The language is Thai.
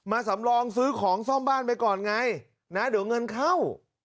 สำรองซื้อของซ่อมบ้านไปก่อนไงนะเดี๋ยวเงินเข้า